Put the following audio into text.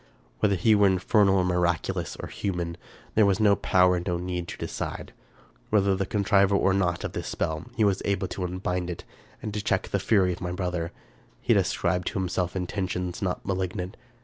Whether he were infernal or miraculous or human, there was no power and no need to decide. Whether the contriver or not of this spell, he was able to unbind it, and to check the fury of my brother. He had ascribed to himself intentions not malignant.